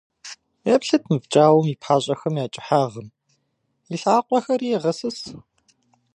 Еплъыт мы пкӏауэм и пащӏэхэм я кӏыхьагъым, и лъакъуэхэри егъэсыс.